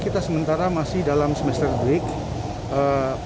kita sementara masih dalam semester break